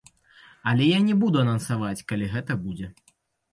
Але я не буду анансаваць, калі гэта будзе.